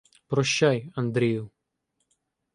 — Прощай, Андрію.